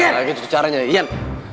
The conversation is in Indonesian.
gak kayak gitu caranya iyan